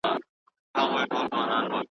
پر آغاز یمه پښېمانه له انجامه ګیله من یم .